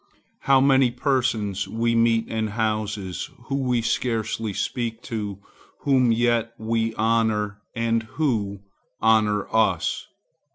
How many persons we meet in houses, whom we scarcely speak to, whom yet we honor, and who honor us!